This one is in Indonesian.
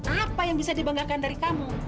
apa yang bisa dibanggakan dari kamu